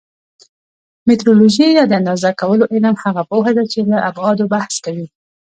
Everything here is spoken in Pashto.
میټرولوژي یا د اندازه کولو علم هغه پوهه ده چې له ابعادو بحث کوي.